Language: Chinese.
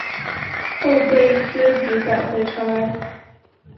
后被薛举赶回长安。